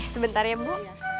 sebentar ya bu